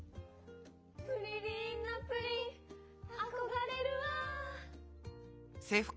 プリリーンなプリン憧れるわ！